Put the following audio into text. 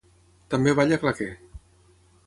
També balla claqué.